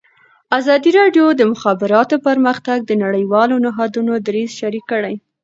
ازادي راډیو د د مخابراتو پرمختګ د نړیوالو نهادونو دریځ شریک کړی.